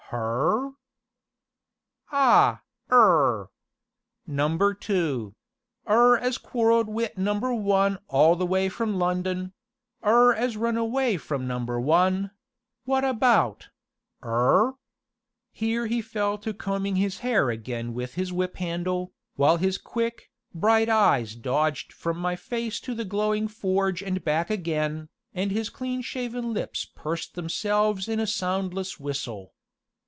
"Her?" "Ah 'er! Number Two 'er as quarrelled wi' Number One all the way from London 'er as run away from Number One wot about 'er?" Here he fell to combing his hair again with his whip handle, while his quick, bright eyes dodged from my face to the glowing forge and back again, and his clean shaven lips pursed themselves in a soundless whistle.